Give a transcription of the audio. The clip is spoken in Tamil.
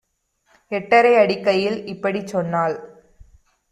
எட்டரை அடிக்கையில் இப்படிச் சொன்னாள்.